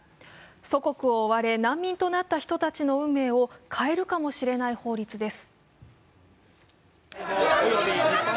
祖国を追われ難民となった人たちの運命を変えるかもしれない法律です。